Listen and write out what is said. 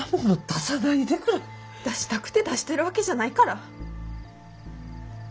出したくて出してるわけじゃないから。